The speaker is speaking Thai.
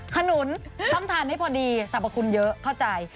ขนุนต้องทานให้พอดีสรรพคุณเยอะเข้าใจ